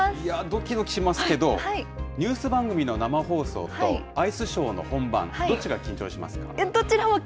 どきどきしますけど、ニュース番組の生放送と、アイスショーどちらも緊張します。